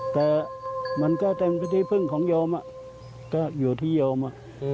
แต่มันก็เต็มพิธีพึ่งของโยมอ่ะก็อยู่ที่โยมอ่ะ